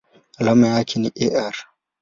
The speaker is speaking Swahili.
Alama yake ni Ar.